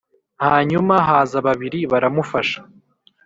Hanyuma haza babiri baramufasha